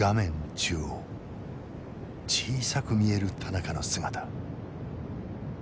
中央小さく見える田中の姿。